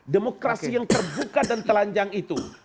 demokrasi yang terbuka dan telanjang itu